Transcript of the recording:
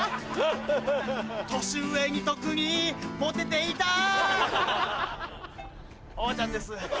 年上に特にモテていたおばちゃんです。